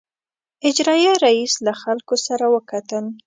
اجرائیه رییس له خلکو سره وکتل.